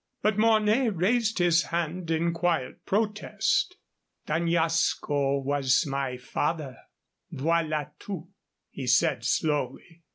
But Mornay raised his hand in quiet protest. "D'Añasco was my father, voilà tout," he said slowly.